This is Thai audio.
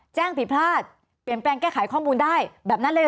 ผิดพลาดเปลี่ยนแปลงแก้ไขข้อมูลได้แบบนั้นเลยเห